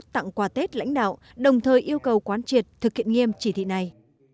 tặng quà tết lãnh đạo đồng thời yêu cầu quán triệt thực hiện nghiêm chỉ thị này